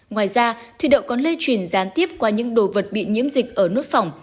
ngoài ra thủy đội còn lây truyền gián tiếp qua những đồ vật bị nhiễm dịch ở nốt phòng